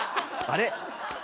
あれ？